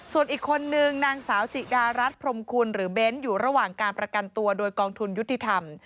ส่วนอีกคนนึงนางสาวจิดารัฐพรมคุณหรือเบ้นอยู่ระหว่างการประกันตัวโดยกองทุนยุติธรรม